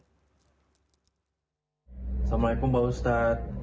assalamualaikum pak ustadz